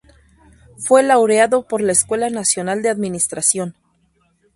Fue laureado por la Escuela Nacional de Administración.